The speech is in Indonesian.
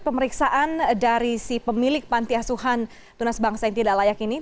atau ada kesempatan dari si pemilik pantai asuhan tunas bangsa yang tidak layak ini